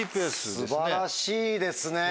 素晴らしいですね！